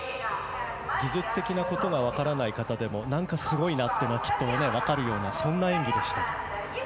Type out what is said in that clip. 技術的なことがわからない方でも何かすごいなってのはきっとわかるような演技でした。